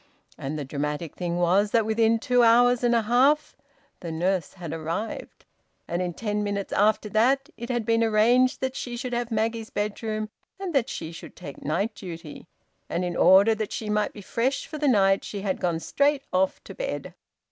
And the dramatic thing was that within two hours and a half the nurse had arrived. And in ten minutes after that it had been arranged that she should have Maggie's bedroom and that she should take night duty, and in order that she might be fresh for the night she had gone straight off to bed.